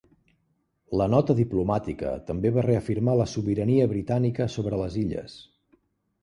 La nota diplomàtica també va reafirmar la sobirania britànica sobre les illes.